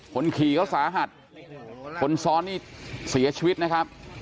คนขี่เขาสาหัสคนซ้อนนี่เสียชีวิตนะครับ